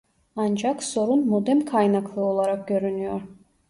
Ancak sorun modem kaynaklı olarak görünüyor